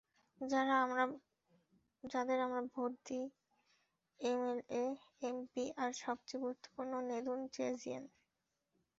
যাদের আমরা ভোট দিই, এমএলএ, এমপি, আর সবচেয়ে গুরুত্বপূর্ণ নেদুনচেজিয়ান।